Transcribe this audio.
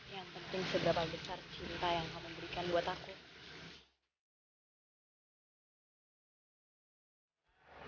yang penting seberapa besar cinta yang kamu berikan buat aku